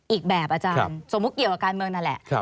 อีกแบบอาจารย์สมมุติเกี่ยวกับการเมืองนั่นแหละ